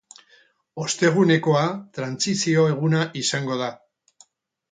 Ostegunekoa trantsizio eguna izango da.